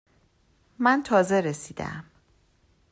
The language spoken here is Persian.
من تازه رسیده ام.